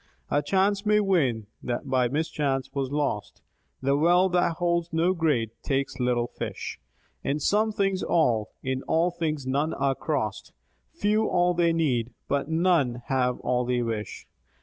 A chance may win that by mischance was lost ; That net that holds no great, takes little fish ; In some things all, in all things none are crossed ; Few all they need, but none have all they wish.